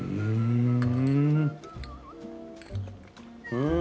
うん！